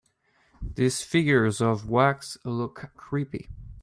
These figures of wax look creepy.